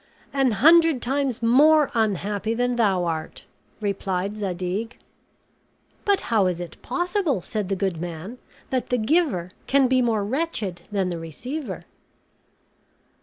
"An hundred times more unhappy than thou art," replied Zadig. "But how is it possible," said the good man, "that the giver can be more wretched than the receiver?"